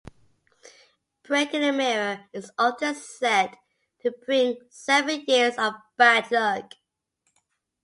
Breaking a mirror is often said to bring seven years of bad luck.